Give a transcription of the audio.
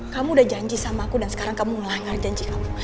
kamu udah janji sama aku dan sekarang kamu ngelanggar janji kamu